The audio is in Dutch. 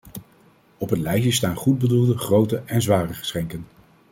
Op het lijstje staan goedbedoelde, grote en zware geschenken.